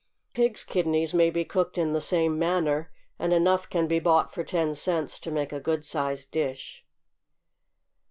=Pig's Kidneys= may be cooked in the same manner, and enough can be bought for ten cents to make a good sized dish.